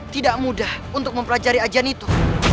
tidak mudah untuk mempelajari ajan itu